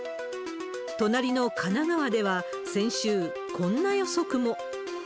隣の神奈川では、先週、こんな予測も。